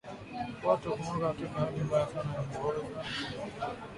Kwato hungoka katika hali mbaya sana ya kuoza